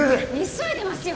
急いでますよ